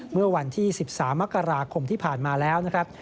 เมื่อวันที่๑๓มกราคมที่ผ่านมาแล้วนะครับ